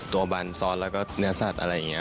บันซอสแล้วก็เนื้อสัตว์อะไรอย่างนี้